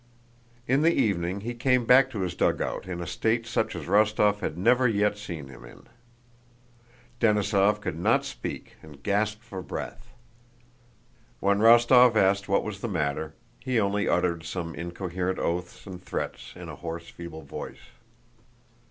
In the evening he came back to his dugout in a state such as Rostóv had never yet seen him in. Denísov could not speak and gasped for breath. When Rostóv asked what was the matter, he only uttered some incoherent oaths and threats in a hoarse, feeble voice.